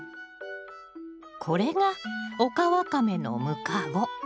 これがオカワカメのムカゴ。